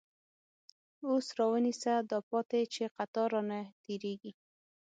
اوس را ونیسه دا پاتی، چه قطار رانه تیریږی